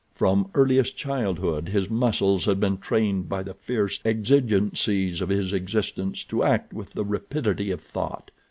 From earliest childhood his muscles had been trained by the fierce exigencies of his existence to act with the rapidity of thought.